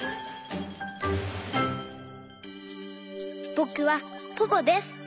ぼくはポポです。